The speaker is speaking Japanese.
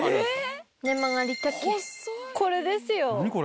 これですよ。